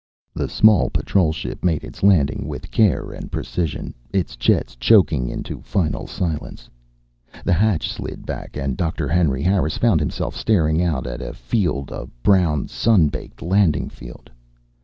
The small patrol ship made its landing with care and precision, its jets choking into final silence. The hatch slid back and Doctor Henry Harris found himself staring out at a field, a brown, sun baked landing field.